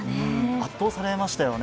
圧倒されましたよね。